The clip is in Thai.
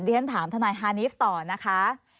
ฉันถามทนายฮานีฟต่อนะคะ